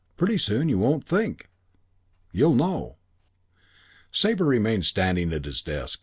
Pretty soon you won't think. You'll know." V Sabre remained standing at his desk.